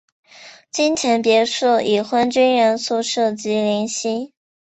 金钱别墅已婚军人宿舍及林夕。